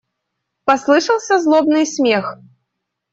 Послышался злобный смех.